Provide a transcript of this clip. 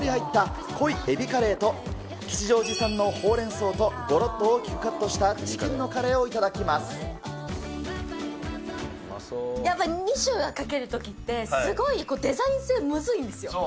今回はエビとそのだしがたっぷり入った濃い海老カレーと、吉祥寺産のホウレンソウとごろっと大きくカットしたチキンのカレやっぱ２種かけるときって、すごいデザイン性むずいんですよ。